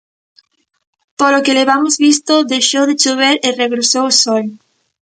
Polo que levamos visto, deixou de chover e regresou o sol.